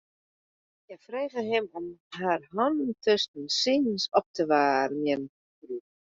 Hja frege him om har hannen tusken sines op te waarmjen.